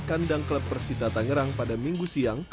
kandang klub persita tangerang pada minggu siang